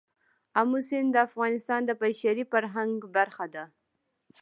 آمو سیند د افغانستان د بشري فرهنګ برخه ده.